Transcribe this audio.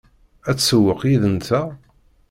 Ad tsewweq yid-nteɣ?